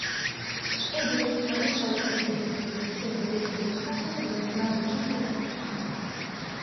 Ellos han estado escribiendo y dirigiendo películas juntos durante más de quince años.